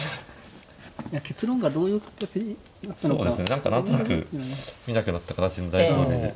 何か何となく見なくなった形の代表例で。